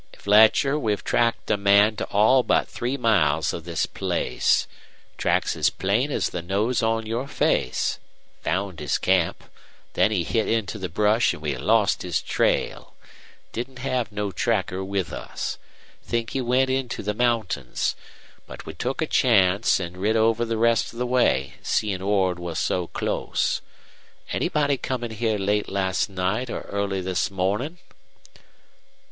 "Fletcher, we've tracked a man to all but three miles of this place. Tracks as plain as the nose on your face. Found his camp. Then he hit into the brush, an' we lost the trail. Didn't have no tracker with us. Think he went into the mountains. But we took a chance an' rid over the rest of the way, seein' Ord was so close. Anybody come in here late last night or early this mornin'?"